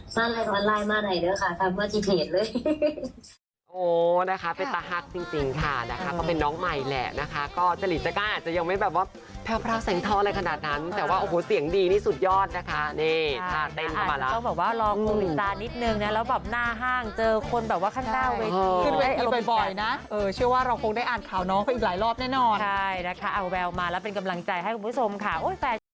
สร้างอะไรกับออนไลน์มาหน่อยด้วยค่ะฟันเมอร์ทีเพจเลย